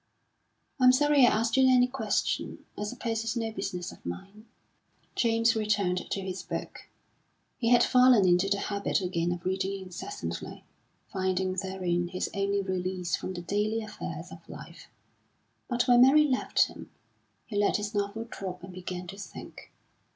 "I'm sorry I asked you any question. I suppose it's no business of mine." James returned to his book; he had fallen into the habit again of reading incessantly, finding therein his only release from the daily affairs of life; but when Mary left him, he let his novel drop and began to think.